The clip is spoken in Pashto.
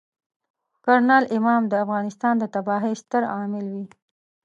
کرنل امام د افغانستان د تباهۍ ستر عامل وي.